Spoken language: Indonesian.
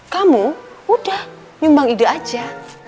kamu udah nyumbang ide aja